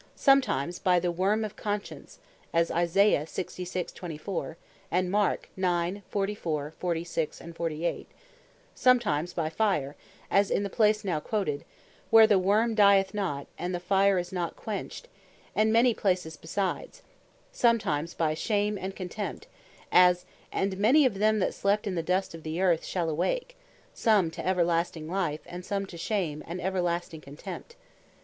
Sometimes, by "the worm of Conscience;" as Isa.66.24. and Mark 9.44, 46, 48; sometimes, by Fire, as in the place now quoted, "where the worm dyeth not, and the fire is not quenched," and many places beside: sometimes by "Shame, and contempt," as Dan. 12.2. "And many of them that sleep in the dust of the Earth, shall awake; some to Everlasting life; and some to shame, and everlasting contempt."